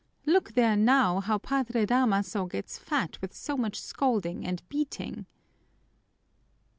Look there now, how Padre Damaso gets fat with so much scolding and beating."